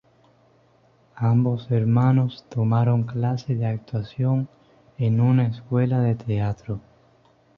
Ambos hermanos tomaron clases de actuación en una escuela de teatro.